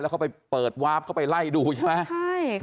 แล้วเขาไปเปิดวาร์ฟเขาไปไล่ดูใช่ไหม